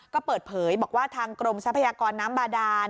ก็เปิดเผยบอกว่าทางกรมทรัพยากรน้ำบาดาน